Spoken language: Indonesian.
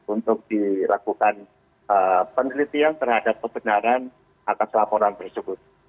untuk dilakukan penelitian terhadap kebenaran atas laporan tersebut